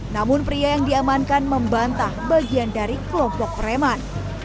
namun pria yang diamankan membantah bagian dari kelompok preman